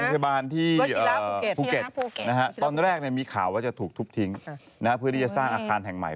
พยาบาลที่ภูเก็ตตอนแรกมีข่าวว่าจะถูกทุบทิ้งเพื่อที่จะสร้างอาคารแห่งใหม่